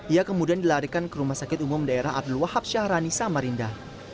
ia kemudian dilarikan ke rumah sakit umum daerah abdul wahab syahrani samarinda